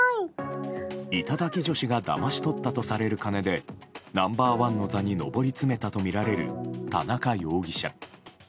頂き女子がだまし取ったとされる金でナンバー１の座に上り詰めたとみられる田中容疑者。